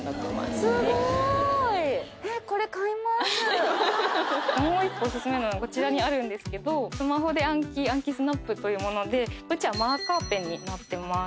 スゴいもう一個オススメなのこちらにあるんですけどスマホで暗記アンキスナップというものでこっちはマーカーペンになってます